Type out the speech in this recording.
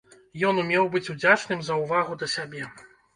Ён умеў быць удзячным за ўвагу да сябе.